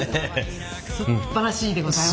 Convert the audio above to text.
すっばらしいでございます。